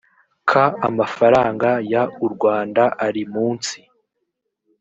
k amafaranga y u rwanda ari munsi